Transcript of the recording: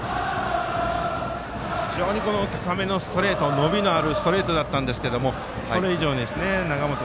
非常に高めのストレート伸びのあるストレートだったんですけどそれ以上に永本君